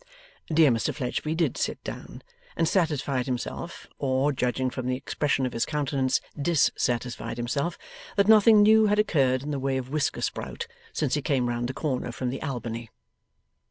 Dear Mr Fledgeby did sit down, and satisfied himself (or, judging from the expression of his countenance, DISsatisfied himself) that nothing new had occurred in the way of whisker sprout since he came round the corner from the Albany.